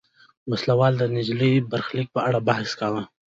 وسله والو د نجلۍ برخلیک په اړه بحث کاوه.